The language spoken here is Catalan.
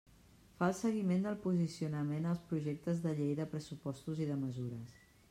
Fa el seguiment del posicionament als projectes de llei de pressupostos i de mesures.